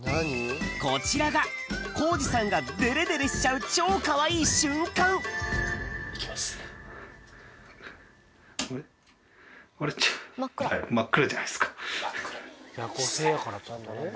こちらがコージさんがデレデレしちゃう超かわいい瞬間真っ暗。